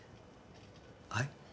はい？